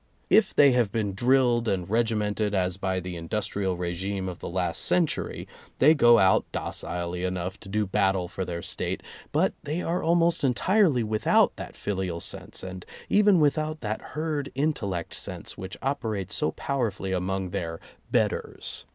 If they have been drilled and regimented, as by the industrial regime of the last century, they go out docilely enough to do battle for their State, but they are almost entirely without that filial sense and even without that herd intellect sense which operates so powerfully among their "betters."